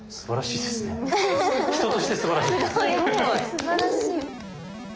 すばらしい。